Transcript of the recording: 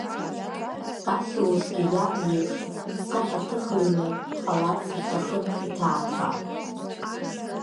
Кассиусгьы иаб еиԥш дсахьаҭыхыҩны дҟаларц рҭахын иҭаацәа.